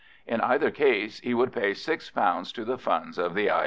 In either case he would pay £6 to the funds of the I.